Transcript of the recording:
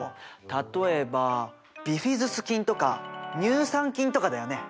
例えばビフィズス菌とか乳酸菌とかだよね？